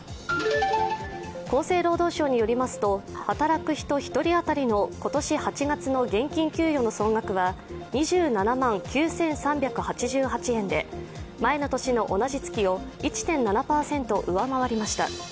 厚生労働省によりますと働く人１人当たりの今年８月の現金給与の総額は２７万９３８８円で前の年の同じ月を１．７％上回りました。